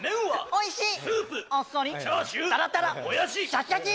シャキシャキ！